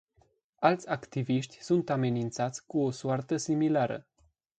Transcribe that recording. Alți activiști sunt amenințați cu o soartă similară.